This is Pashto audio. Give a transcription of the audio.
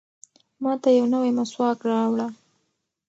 ماته یو نوی مسواک راوړه.